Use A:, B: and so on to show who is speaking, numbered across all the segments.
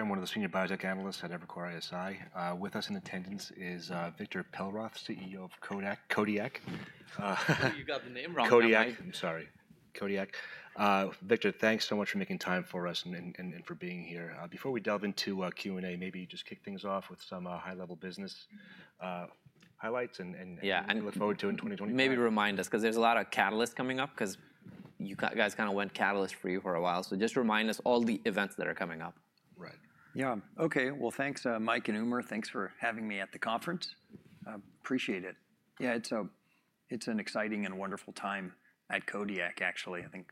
A: I'm one of the senior biotech analyst at Evercore ISI. With us in attendance is Victor Perlroth, CEO of Kodiak.
B: You got the name wrong. Kodiak, I'm sorry. Kodiak. Victor, thanks so much for making time for us and for being here. Before we delve into Q&A, maybe just kick things off with some high-level business highlights and look forward to in 2024.
C: Maybe remind us, because there's a lot of catalysts coming up, because you guys kind of went catalyst-free for a while. So just remind us all the events that are coming up. Right.
B: Yeah. Ok, well, thanks, Mike and Umer. Thanks for having me at the conference. Appreciate it. Yeah, it's an exciting and wonderful time at Kodiak, actually. I think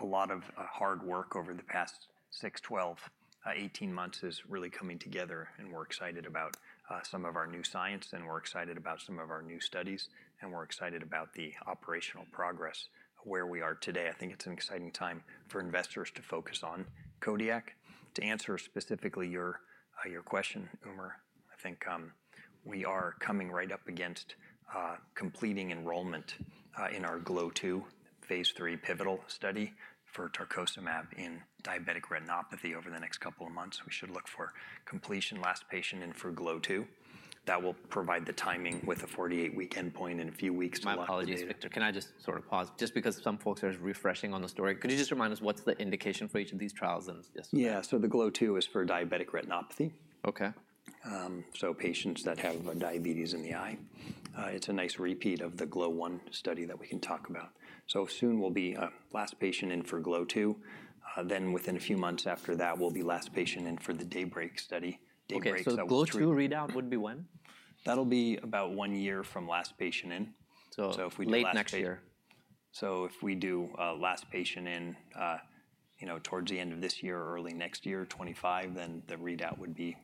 B: a lot of hard work over the past six, 12, 18 months is really coming together. And we're excited about some of our new science, and we're excited about some of our new studies, and we're excited about the operational progress where we are today. I think it's an exciting time for investors to focus on Kodiak. To answer specifically your question, Umer, I think we are coming right up against completing enrollment in our GLOW2, phase III pivotal study for Tarcocimab in diabetic retinopathy over the next couple of months. We should look for completion, last patient in for GLOW2. That will provide the timing with a 48-week endpoint in a few weeks.
C: My apologies, Victor. Can I just sort of pause? Just because some folks are refreshing on the story. Could you just remind us what's the indication for each of these trials?
B: Yeah, so the GLOW2 is for diabetic retinopathy.
C: OK.
B: Patients that have diabetes in the eye. It's a nice repeat of the GLOW1 study that we can talk about. Soon we'll be last patient in for GLOW2. Within a few months after that, we'll be last patient in for the DAYBREAK study. OK, so GLOW2 readout would be when? That'll be about one year from last patient in.
C: Late next year.
B: So if we do last patient in towards the end of this year or early next year, 2025, then the readout would be,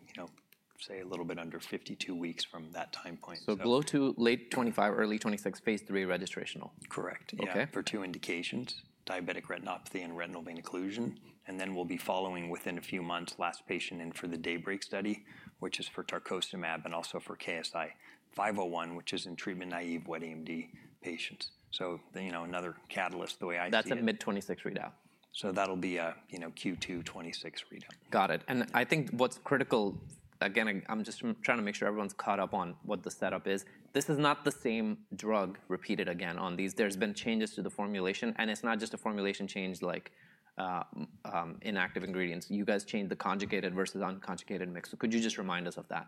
B: say, a little bit under 52 weeks from that time point.
C: GLOW2, late 2025, early 2026, phase III registrational.
B: Correct. OK. For two indications, diabetic retinopathy and retinal vein occlusion. And then we'll be following within a few months, last patient in for the DAYBREAK study, which is for Tarcocimab and also for KSI-501, which is in treatment-naive wet AMD patients. So another catalyst the way I see it.
C: That's a mid-2026 readout.
B: So that'll be Q2 2026 readout.
C: Got it. And I think what's critical, again, I'm just trying to make sure everyone's caught up on what the setup is. This is not the same drug repeated again on these. There's been changes to the formulation. And it's not just a formulation change like inactive ingredients. You guys changed the conjugated versus unconjugated mix. So could you just remind us of that?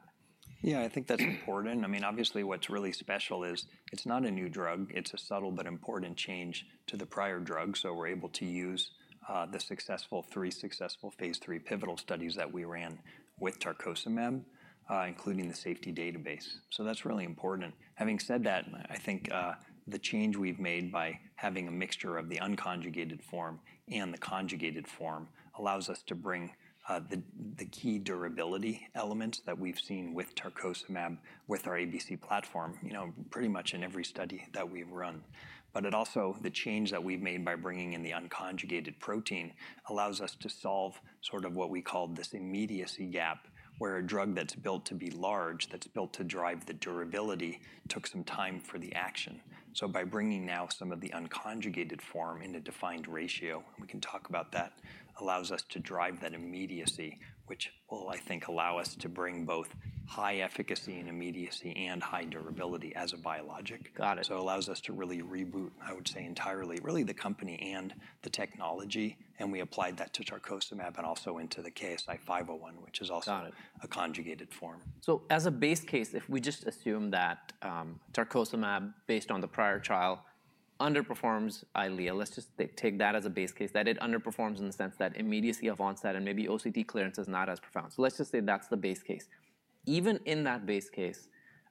B: Yeah, I think that's important. I mean, obviously, what's really special is it's not a new drug. It's a subtle but important change to the prior drug. So we're able to use the three successful phase III pivotal studies that we ran with Tarcocimab, including the safety database. So that's really important. Having said that, I think the change we've made by having a mixture of the unconjugated form and the conjugated form allows us to bring the key durability elements that we've seen with Tarcocimab with our ABC Platform pretty much in every study that we've run. But it also, the change that we've made by bringing in the unconjugated protein allows us to solve sort of what we call this immediacy gap, where a drug that's built to be large, that's built to drive the durability, took some time for the action. So by bringing now some of the unconjugated form in a defined ratio, and we can talk about that, allows us to drive that immediacy, which will, I think, allow us to bring both high efficacy and immediacy and high durability as a biologic.
C: Got it.
B: So it allows us to really reboot, I would say, entirely, really the company and the technology. And we applied that to Tarcocimab and also into the KSI-501, which is also a conjugated form.
C: So as a base case, if we just assume that Tarcocimab, based on the prior trial, underperforms Eylea, let's just take that as a base case, that it underperforms in the sense that immediacy of onset and maybe OCT clearance is not as profound. So let's just say that's the base case. Even in that base case,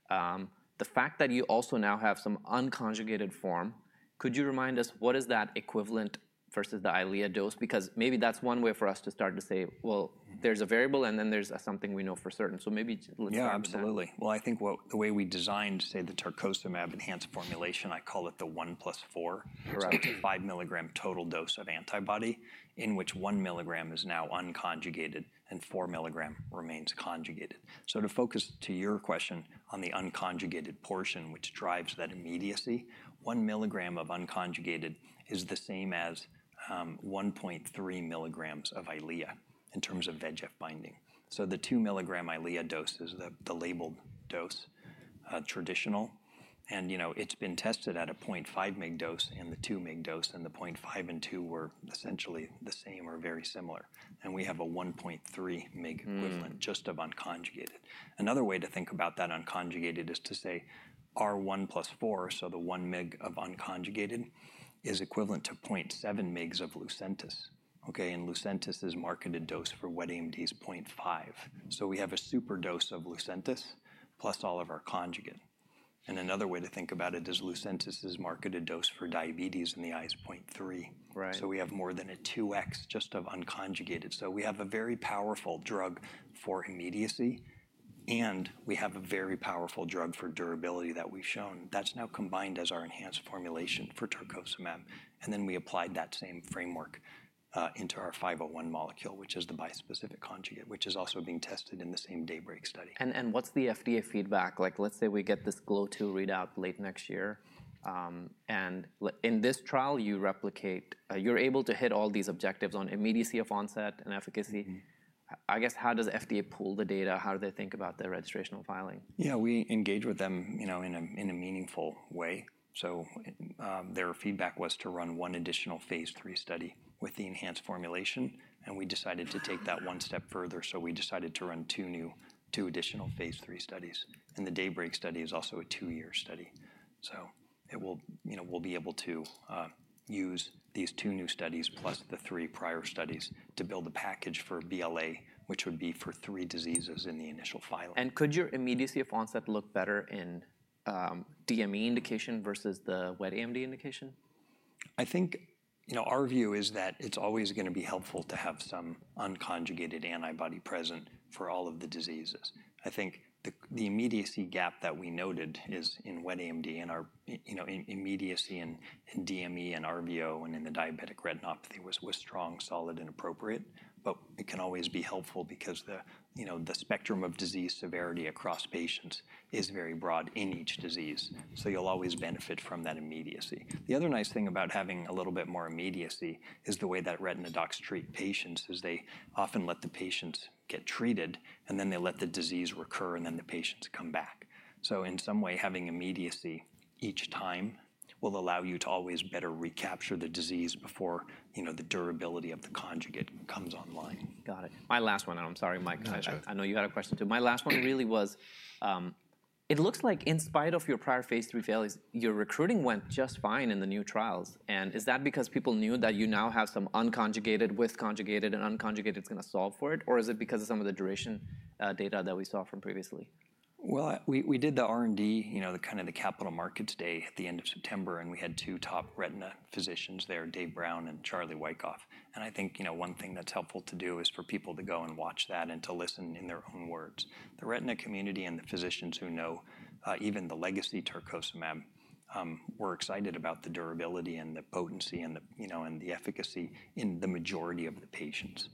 C: the fact that you also now have some unconjugated form, could you remind us what is that equivalent versus the Eylea dose? Because maybe that's one way for us to start to say, well, there's a variable, and then there's something we know for certain. So maybe let's start with that.
B: Yeah, absolutely. Well, I think the way we designed, say, the Tarcocimab enhanced formulation, I call it the one plus four, or five milligram total dose of antibody, in which one milligram is now unconjugated and four milligram remains conjugated. So to focus to your question on the unconjugated portion, which drives that immediacy, one milligram of unconjugated is the same as 1.3 milligrams of Eylea in terms of VEGF binding. So the two milligram Eylea dose is the labeled dose, traditional. And it's been tested at a 0.5 mg dose and the two mg dose. And the 0.5 and two were essentially the same or very similar. And we have a 1.3 mg equivalent just of unconjugated. Another way to think about that unconjugated is to say one plus four, so the one mg of unconjugated, is equivalent to 0.7 mg of Lucentis. Lucentis is marketed dose for wet AMD is 0.5, so we have a super dose of Lucentis plus all of our conjugate, and another way to think about it is Lucentis is marketed dose for diabetes in the eye is 0.3, so we have more than a 2x just of unconjugated, so we have a very powerful drug for immediacy, and we have a very powerful drug for durability that we've shown. That's now combined as our enhanced formulation for Tarcocimab, and then we applied that same framework into our 501 molecule, which is the bispecific conjugate, which is also being tested in the same DAYBREAK study.
C: What's the FDA feedback? Like, let's say we get this GLOW2 readout late next year. In this trial, you replicate, you're able to hit all these objectives on immediacy of onset and efficacy. I guess, how does FDA pull the data? How do they think about their registrational filing?
B: Yeah, we engage with them in a meaningful way. So their feedback was to run one additional phase III study with the enhanced formulation. And we decided to take that one step further. So we decided to run two new, two additional phase III studies. And the DAYBREAK study is also a two-year study. So we'll be able to use these two new studies plus the three prior studies to build a package for BLA, which would be for three diseases in the initial filing.
C: Could your immediacy of onset look better in DME indication versus the wet AMD indication?
B: I think our view is that it's always going to be helpful to have some unconjugated antibody present for all of the diseases. I think the immediacy gap that we noted is in wet AMD, and our immediacy in DME and RVO and in the diabetic retinopathy was strong, solid, and appropriate. But it can always be helpful because the spectrum of disease severity across patients is very broad in each disease. So you'll always benefit from that immediacy. The other nice thing about having a little bit more immediacy is the way that retina docs treat patients is they often let the patients get treated, and then they let the disease recur, and then the patients come back. So in some way, having immediacy each time will allow you to always better recapture the disease before the durability of the conjugate comes online.
C: Got it. My last one, and I'm sorry, Mike, I know you had a question too. My last one really was, it looks like in spite of your prior phase III failures, your recruiting went just fine in the new trials. And is that because people knew that you now have some unconjugated with conjugated and unconjugated is going to solve for it? Or is it because of some of the duration data that we saw from previously?
B: We did the R&D, kind of the capital markets day at the end of September, and we had two top retina physicians there, Dave Brown and Charlie Wyckoff. I think one thing that's helpful to do is for people to go and watch that and to listen in their own words. The retina community and the physicians who know even the Legacy Tarcocimab were excited about the durability and the potency and the efficacy in the majority of the patients.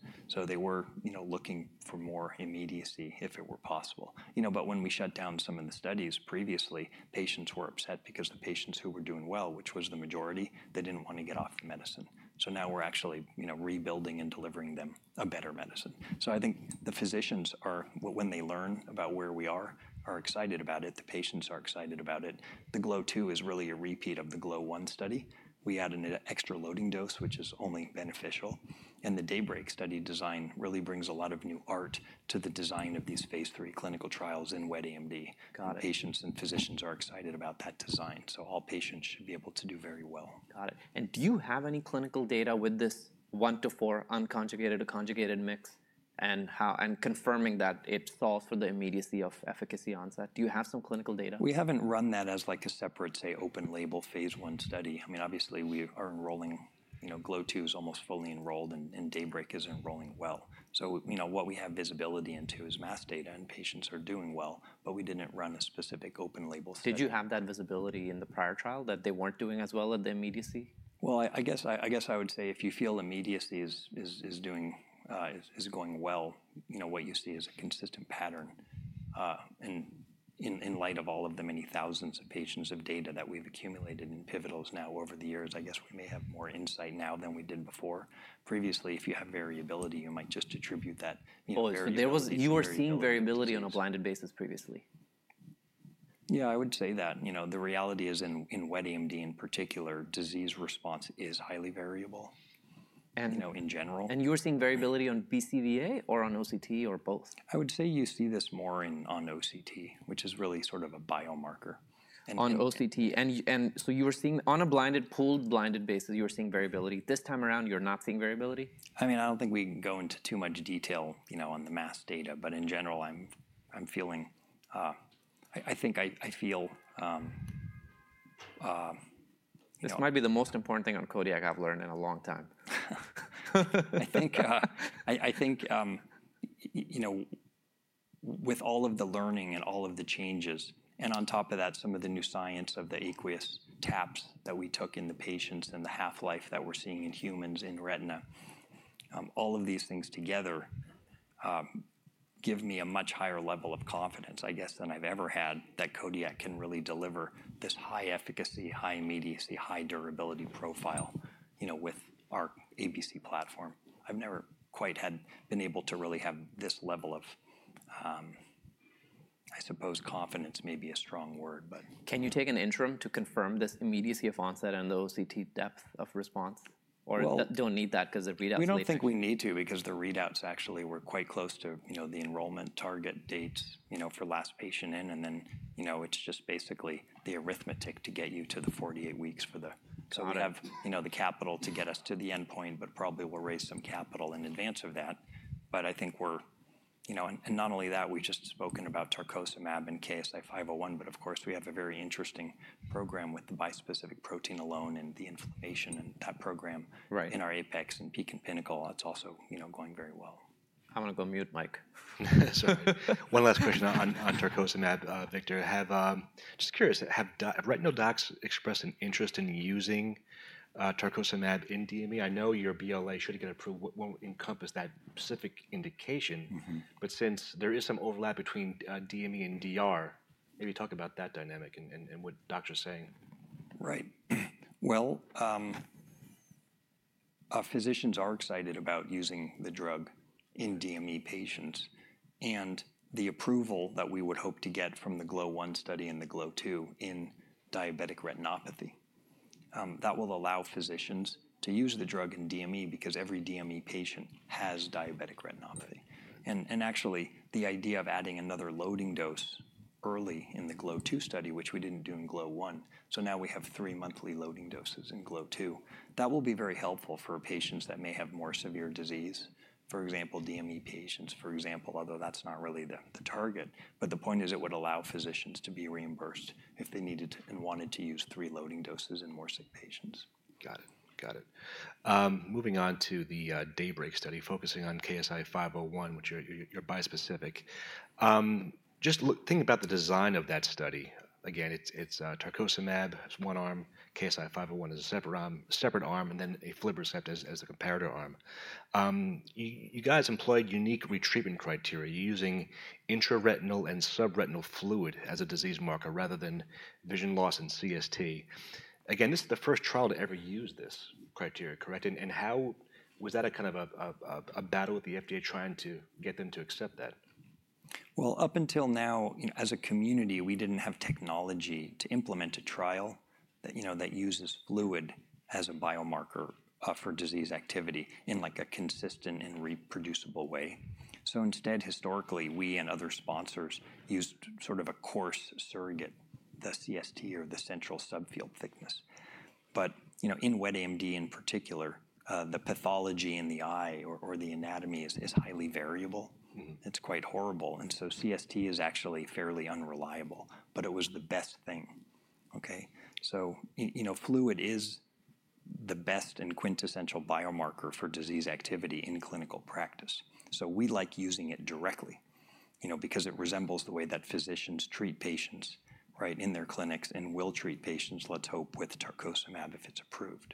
B: They were looking for more immediacy if it were possible. When we shut down some of the studies previously, patients were upset because the patients who were doing well, which was the majority, they didn't want to get off the medicine. Now we're actually rebuilding and delivering them a better medicine. I think the physicians, when they learn about where we are, are excited about it. The patients are excited about it. The GLOW2 is really a repeat of the GLOW1 study. We add an extra loading dose, which is only beneficial. And the DAYBREAK study design really brings a lot of new art to the design of these phase III clinical trials in wet AMD. Patients and physicians are excited about that design. So all patients should be able to do very well.
C: Got it. And do you have any clinical data with this one to four unconjugated to conjugated mix and confirming that it solves for the immediacy of efficacy onset? Do you have some clinical data?
B: We haven't run that as, like, a separate, say, open-label phase I study. I mean, obviously, we are enrolling. GLOW2 is almost fully enrolled, and DAYBREAK is enrolling well. So what we have visibility into is mass data, and patients are doing well. But we didn't run a specific open-label study.
C: Did you have that visibility in the prior trial that they weren't doing as well at the immediacy?
B: I guess I would say if you feel immediacy is going well, what you see is a consistent pattern. In light of all of the many thousands of patients' data that we've accumulated in pivotals now over the years, I guess we may have more insight now than we did before. Previously, if you have variability, you might just attribute that.
C: You were seeing variability on a blinded basis previously.
B: Yeah, I would say that. The reality is in wet AMD in particular, disease response is highly variable in general.
C: And you were seeing variability on BCVA or on OCT or both?
B: I would say you see this more on OCT, which is really sort of a biomarker.
C: On OCT. And so you were seeing on a blinded, pooled blinded basis, you were seeing variability. This time around, you're not seeing variability?
B: I mean, I don't think we can go into too much detail on the mass data. But in general, I'm feeling, I think I feel.
C: This might be the most important thing on Kodiak I've learned in a long time.
B: I think with all of the learning and all of the changes, and on top of that, some of the new science of the aqueous taps that we took in the patients and the half-life that we're seeing in humans in retina, all of these things together give me a much higher level of confidence, I guess, than I've ever had that Kodiak can really deliver this high efficacy, high immediacy, high durability profile with our ABC platform. I've never quite been able to really have this level of, I suppose, confidence may be a strong word, but.
C: Can you take an interim to confirm this immediacy of onset and the OCT depth of response? Or don't need that because the readout's pretty good?
B: We don't think we need to because the readouts actually were quite close to the enrollment target dates for last patient in. Then it's just basically the arithmetic to get you to the 48 weeks for the. We have the capital to get us to the endpoint, but probably we'll raise some capital in advance of that. I think we're, and not only that, we've just spoken about Tarcocimab and KSI-501, but of course, we have a very interesting program with the bispecific protein alone and the inflammation and that program in our APEX and PEAK and PINNACLE. It's also going very well.
C: I'm going to go mute, Mike. One last question on Tarcocimab, Victor. Just curious, have retinal docs expressed an interest in using Tarcocimab in DME? I know your BLA should get approved. It won't encompass that specific indication. But since there is some overlap between DME and DR, maybe talk about that dynamic and what doctors are saying.
B: Right. Well, physicians are excited about using the drug in DME patients. And the approval that we would hope to get from the GLOW1 study and the GLOW2 in diabetic retinopathy, that will allow physicians to use the drug in DME because every DME patient has diabetic retinopathy. Actually, the idea of adding another loading dose early in the GLOW2 study, which we didn't do in GLOW1, so now we have three monthly loading doses in GLOW2, that will be very helpful for patients that may have more severe disease, for example, DME patients, for example, although that's not really the target. But the point is it would allow physicians to be reimbursed if they needed and wanted to use three loading doses in more sick patients. Got it. Got it. Moving on to the DAYBREAK study, focusing on KSI-501, which is bispecific. Just think about the design of that study. Again, it's Tarcocimab as one arm, KSI-501 as a separate arm, and then Aflibercept as a comparator arm. You guys employed unique retreatment criteria, using intraretinal and subretinal fluid as a disease marker rather than vision loss and CST. Again, this is the first trial to ever use this criteria, correct? And was that a kind of a battle with the FDA trying to get them to accept that? Well, up until now, as a community, we didn't have technology to implement a trial that uses fluid as a biomarker for disease activity in a consistent and reproducible way. So instead, historically, we and other sponsors used sort of a coarse surrogate, the CST or the central subfield thickness. But in wet AMD in particular, the pathology in the eye or the anatomy is highly variable. It's quite horrible. And so CST is actually fairly unreliable, but it was the best thing. So fluid is the best and quintessential biomarker for disease activity in clinical practice. So we like using it directly because it resembles the way that physicians treat patients in their clinics and will treat patients, let's hope, with Tarcocimab if it's approved.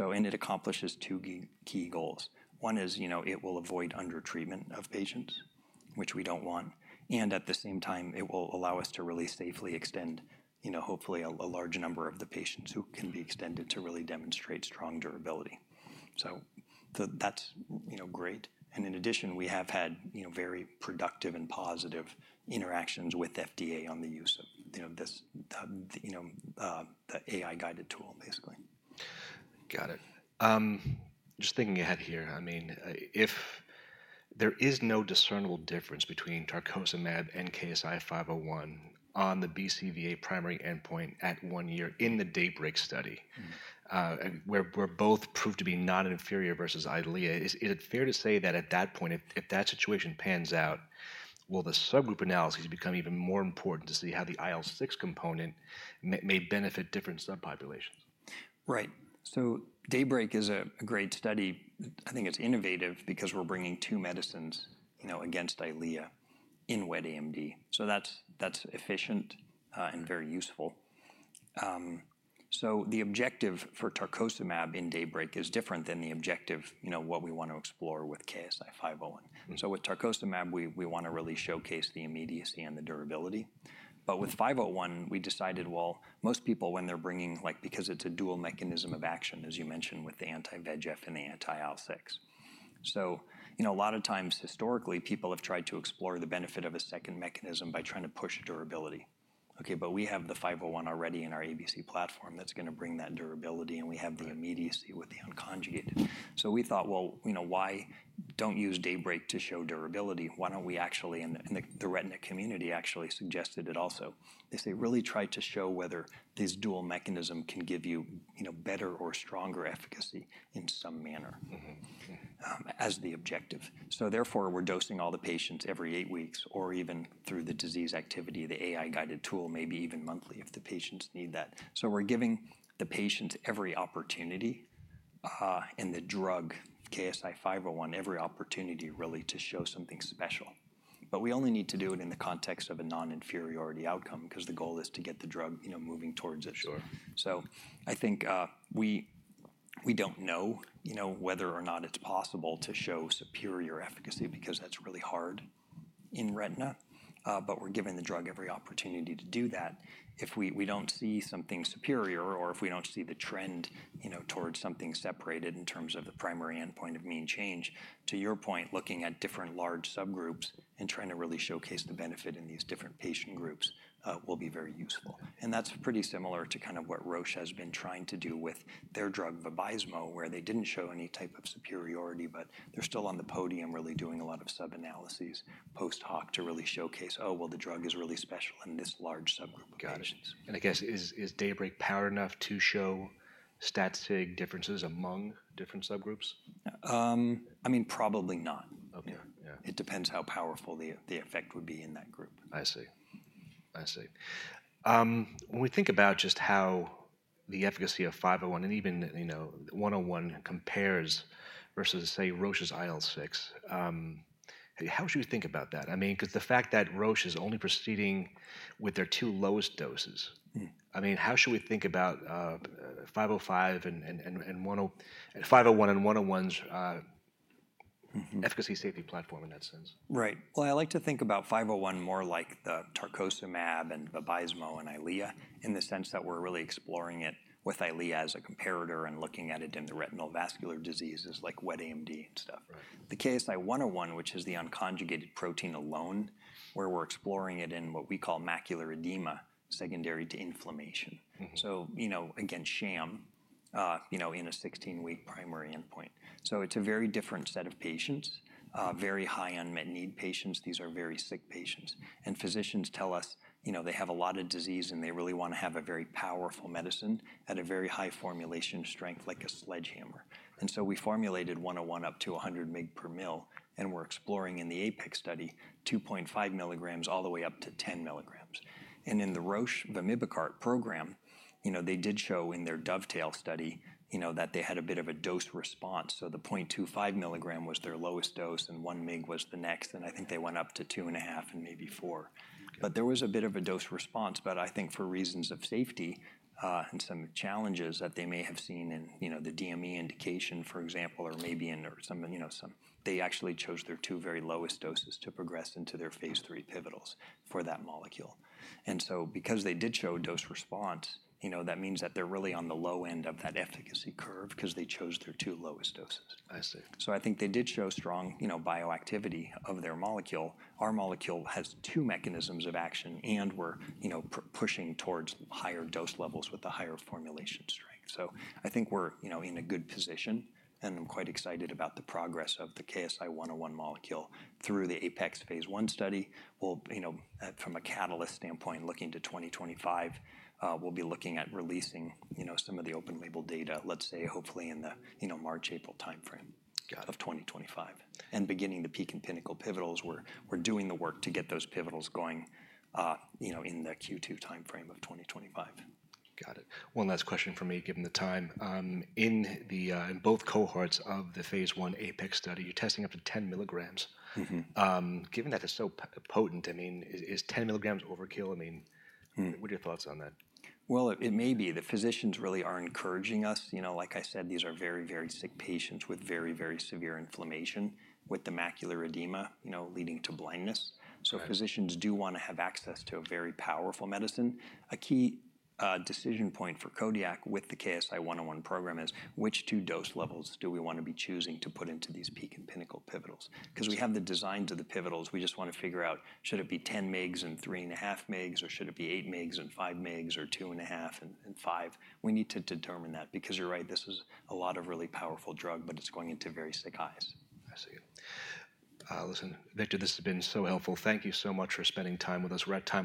B: And it accomplishes two key goals. One is it will avoid undertreatment of patients, which we don't want. And at the same time, it will allow us to really safely extend, hopefully, a large number of the patients who can be extended to really demonstrate strong durability. So that's great. And in addition, we have had very productive and positive interactions with FDA on the use of the AI-guided tool, basically. Got it. Just thinking ahead here, I mean, if there is no discernible difference between Tarcocimab and KSI-501 on the BCVA primary endpoint at one year in the DAYBREAK study, where both proved to be not inferior versus Eylea, is it fair to say that at that point, if that situation pans out, will the subgroup analysis become even more important to see how the IL-6 component may benefit different subpopulations? Right. So DAYBREAK is a great study. I think it's innovative because we're bringing two medicines against Eylea in wet AMD. So that's efficient and very useful. So the objective for Tarcocimab in DAYBREAK is different than the objective, what we want to explore with KSI-501. So with Tarcocimab, we want to really showcase the immediacy and the durability. But with KSI-501, we decided, well, most people, when they're bringing, because it's a dual mechanism of action, as you mentioned, with the anti-VEGF and the anti-IL-6. So a lot of times, historically, people have tried to explore the benefit of a second mechanism by trying to push durability. But we have the KSI-501 already in our ABC Platform that's going to bring that durability, and we have the immediacy with the unconjugated. So we thought, well, why don't use DAYBREAK to show durability? Why don't we actually, and the retina community actually suggested it also, is they really tried to show whether this dual mechanism can give you better or stronger efficacy in some manner as the objective. So therefore, we're dosing all the patients every eight weeks or even through the disease activity, the AI-guided tool, maybe even monthly if the patients need that. So we're giving the patients every opportunity and the drug, KSI-501, every opportunity really to show something special. But we only need to do it in the context of a non-inferiority outcome because the goal is to get the drug moving towards it. So I think we don't know whether or not it's possible to show superior efficacy because that's really hard in retina. But we're giving the drug every opportunity to do that. If we don't see something superior or if we don't see the trend towards something separated in terms of the primary endpoint of mean change, to your point, looking at different large subgroups and trying to really showcase the benefit in these different patient groups will be very useful, and that's pretty similar to kind of what Roche has been trying to do with their drug, Vabysmo, where they didn't show any type of superiority, but they're still on the podium really doing a lot of sub-analyses post hoc to really showcase, oh, well, the drug is really special in this large subgroup of patients. Got it. And I guess, is DAYBREAK power enough to show stat-sig differences among different subgroups? I mean, probably not. It depends how powerful the effect would be in that group. I see. I see. When we think about just how the efficacy of 501 and even 101 compares versus, say, Roche's IL-6, how should we think about that? I mean, because the fact that Roche is only proceeding with their two lowest doses, I mean, how should we think about 501 and 101's efficacy safety platform in that sense? Right. Well, I like to think about 501 more like the Tarcocimab and Vabysmo and Eylea in the sense that we're really exploring it with Eylea as a comparator and looking at it in the retinal vascular diseases like wet AMD and stuff. The KSI-101, which is the unconjugated protein alone, where we're exploring it in what we call macular edema secondary to inflammation. So against sham in a 16-week primary endpoint. So it's a very different set of patients, very high unmet need patients. These are very sick patients. And physicians tell us they have a lot of disease, and they really want to have a very powerful medicine at a very high formulation strength like a sledgehammer. And so we formulated 101 up to 100 mg per mL, and we're exploring in the APEX study 2.5 milligrams all the way up to 10 milligrams. And in the Roche Vamikibart program, they did show in their DOVETAIL study that they had a bit of a dose response. So the 0.25 milligram was their lowest dose, and 1 mg was the next. And I think they went up to 2.5 and maybe 4. But there was a bit of a dose response. But I think for reasons of safety and some challenges that they may have seen in the DME indication, for example, or maybe in some. They actually chose their two very lowest doses to progress into their phase III pivotals for that molecule. And so because they did show dose response, that means that they're really on the low end of that efficacy curve because they chose their two lowest doses. So I think they did show strong bioactivity of their molecule. Our molecule has two mechanisms of action, and we're pushing towards higher dose levels with a higher formulation strength, so I think we're in a good position and quite excited about the progress of the KSI-101 molecule through the APEX phase I study. From a catalyst standpoint, looking to 2025, we'll be looking at releasing some of the open label data, let's say, hopefully in the March, April timeframe of 2025, and beginning the PEAK and PINNACLE pivotals, we're doing the work to get those pivotals going in the Q2 timeframe of 2025. Got it. One last question for me, given the time. In both cohorts of the phase I APEX study, you're testing up to 10 milligrams. Given that it's so potent, I mean, is 10 milligrams overkill? I mean, what are your thoughts on that? It may be. The physicians really are encouraging us. Like I said, these are very, very sick patients with very, very severe inflammation with the macular edema leading to blindness. Physicians do want to have access to a very powerful medicine. A key decision point for Kodiak with the KSI-101 program is which two dose levels do we want to be choosing to put into these PEAK and PINNACLE pivotals? Because we have the designs of the pivotals. We just want to figure out, should it be 10 mg and 3.5 mg, or should it be 8 mg and 5 mg or 2.5 and 5? We need to determine that because you're right, this is a lot of really powerful drug, but it's going into very sick eyes. I see. Listen, Victor, this has been so helpful. Thank you so much for spending time with us.